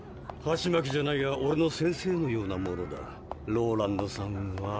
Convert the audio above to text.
ハチマキじゃないがオレの先生のようなものだローランドさんは。